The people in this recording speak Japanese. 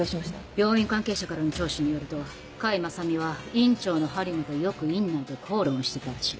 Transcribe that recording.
病院関係者からの聴取によると甲斐正美は院長の播磨とよく院内で口論をしてたらしい。